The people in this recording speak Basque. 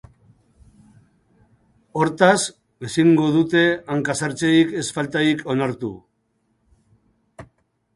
Hortaz, ezingo dute hanka-sartzerik ez faltarik onartu.